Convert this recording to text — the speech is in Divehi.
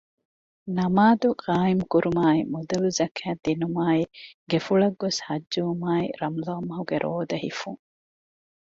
ނަމާދު ޤާއިމު ކުރުމާއި މުދަލު ޒަކާތް ދިނުމާއި ގެފުޅަށް ގޮސް ޙައްޖުވުމާއި ރަމަޟާން މަހުގެ ރޯދަ ހިފުން